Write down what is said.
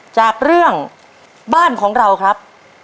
จากเรื่องบ้านของเราครับ